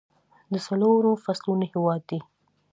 د څلورو فصلونو هیواد دی.